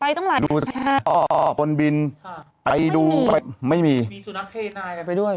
ไปตั้งหลายดูชาติอ่อบนบินค่ะไปดูไม่มีไม่มีสุนัขเทนายไปด้วย